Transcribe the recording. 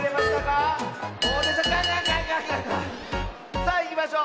さあいきましょう。